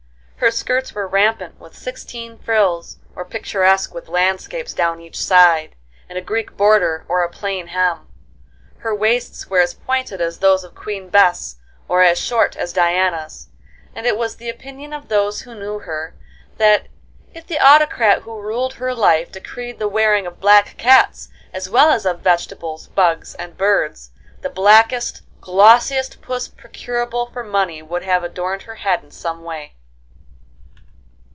Her skirts were rampant with sixteen frills, or picturesque with landscapes down each side, and a Greek border or a plain hem. Her waists were as pointed as those of Queen Bess or as short as Diana's; and it was the opinion of those who knew her that if the autocrat who ruled her life decreed the wearing of black cats as well as of vegetables, bugs, and birds, the blackest, glossiest Puss procurable for money would have adorned her head in some way.